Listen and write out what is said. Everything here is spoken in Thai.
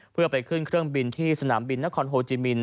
เพื่อไปขึ้นเครื่องบินที่สนามบินนครโฮจิมิน